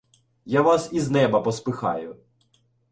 Я вас із неба поспихаю